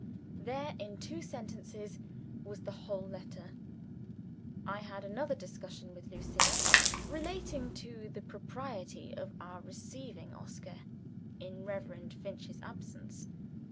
There, in two sentences, was the whole letter. I had another discussion with Lucilla, relating to the propriety of our receiving Oscar in Reverend Finch's absence.